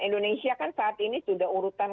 indonesia kan saat ini sudah urutan